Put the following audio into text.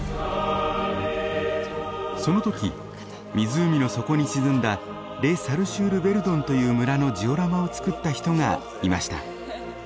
その時湖の底に沈んだレ・サル・シュール・ヴェルドンという村のジオラマを作った人がいました。